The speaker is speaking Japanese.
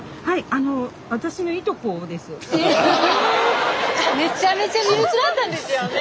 あのスタジオめちゃめちゃ身内だったんですよね。